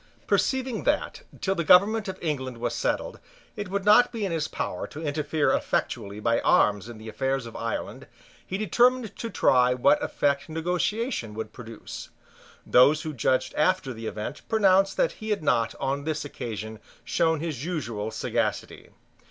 Perceiving that, till the government of England was settled, it would not be in his power to interfere effectually by arms in the affairs of Ireland, he determined to try what effect negotiation would produce. Those who judged after the event pronounced that he had not, on this occasion, shown his usual sagacity.